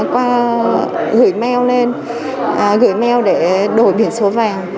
qua gửi mail lên gửi mail để đổi biển số vàng